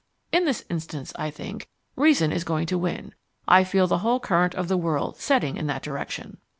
In this instance, I think, Reason is going to win. I feel the whole current of the world setting in that direction.